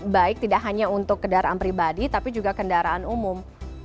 baik tidak hanya untuk kendaraan pribadi tapi juga kendaraan umum